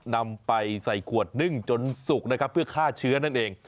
นำไปใส่ขวดนึ่งจนสุกนะครับเพื่อฆ่าเชื้อนั่นเอง